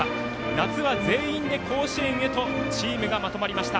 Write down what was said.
夏は全員で甲子園へとチームがまとまりました。